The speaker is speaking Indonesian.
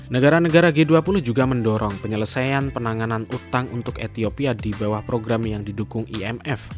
negara negara g dua puluh juga mendorong penyelesaian penanganan utang untuk ethiopia di bawah program yang didukung imf